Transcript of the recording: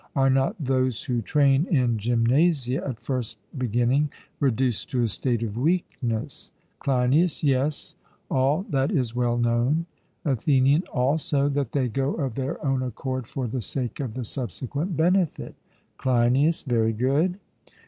Are not those who train in gymnasia, at first beginning reduced to a state of weakness? CLEINIAS: Yes, all that is well known. ATHENIAN: Also that they go of their own accord for the sake of the subsequent benefit? CLEINIAS: Very good.